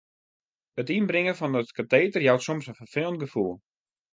It ynbringen fan it kateter jout soms in ferfelend gefoel.